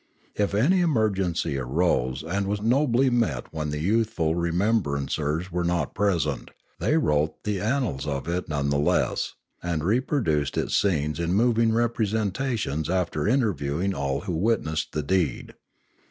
If auy emergency arose and was nobly met when the youthful remembrancers were not present, they wrote the annals of it none the less, and reproduced its scenes in moving representations after interviewing all who witnessed the deed.